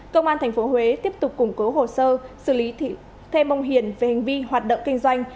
công an thành phố huế tiếp tục củng cố hồ sơ xử lý thêm mong hiền về hành vi hoạt động kinh doanh